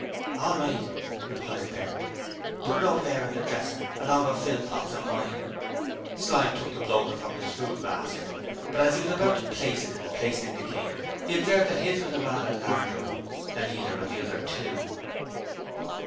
'All right,' replied Bert. 'Put it over there on the dresser along of Philpot's and mine.' Slyme took the bloater from his food basket, but as he was about to put it in the place indicated, he observed that his was rather a larger one than either of the other two.